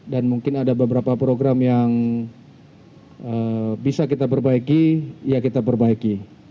dan mungkin ada beberapa program yang bisa kita perbaiki ya kita perbaiki